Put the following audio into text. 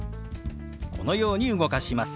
このように動かします。